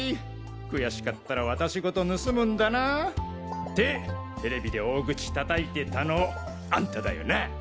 悔しかったら私ごと盗むんだな！」ってＴＶで大口叩いてたのアンタだよな。